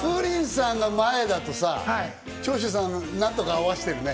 さんが前だと長州さんが何とか合わせてるね。